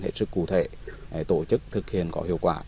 hết sức cụ thể tổ chức thực hiện có hiệu quả